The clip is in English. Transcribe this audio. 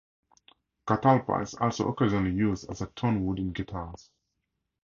Catalpa is also occasionally used as a tonewood in guitars.